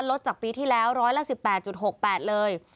ลดจากปีที่แล้วร้อยละ๑๘๖๘เลย